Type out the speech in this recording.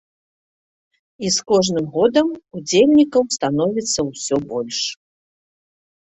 І з кожным годам удзельнікаў становіцца ўсё больш.